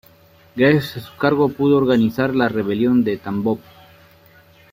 Gracias a su cargo pudo organizar la rebelión de Tambov.